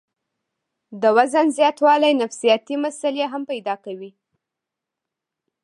د وزن زياتوالے نفسياتي مسئلې هم پېدا کوي